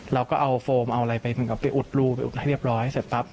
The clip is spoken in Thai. เราก็เอาโฟงออกมาเอาอะไรไปเป็นไปอุดลูอุดให้เรียบร้อย